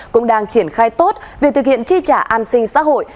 cũng đang triển khai tốt việc thực hiện chi trả an sinh xã hội